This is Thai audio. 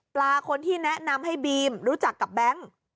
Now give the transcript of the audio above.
คนที่แนะนำให้บีมรู้จักกับแบงค์